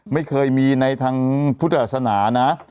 ไม่เคยมีในทางพุทธศาสนานะ